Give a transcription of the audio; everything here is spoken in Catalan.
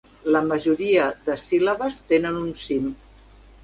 La majoria de síl·labes tenen un cim.